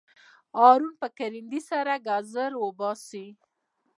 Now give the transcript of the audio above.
هارون په کرندي سره ګازر وباسي.